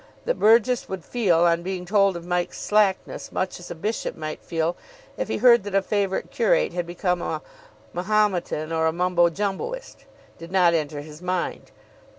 That Burgess would feel, on being told of Mike's slackness, much as a bishop might feel if he heard that a favourite curate had become a Mahometan or a Mumbo Jumboist, did not enter his mind.